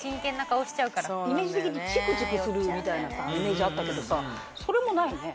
イメージ的にチクチクするみたいなイメージあったけどさそれもないね。